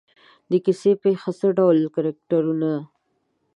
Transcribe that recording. د کیسې پېښه څه ډول ده کرکټرونه.